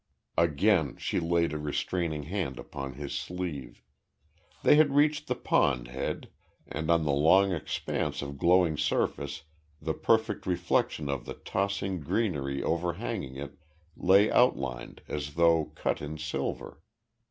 Again she laid a restraining hand upon his sleeve. They had reached the pond head, and on the long expanse of glowing surface the perfect reflection of the tossing greenery overhanging it lay outlined as though cut in silver.